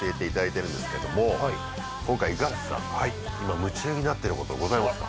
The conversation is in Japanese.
今夢中になってることございますか？